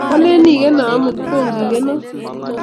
Kwaleen igeno amut kongigenoo